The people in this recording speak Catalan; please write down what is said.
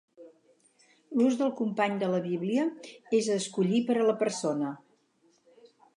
L'ús del "company de la Bíblia" és a escollir per a la persona.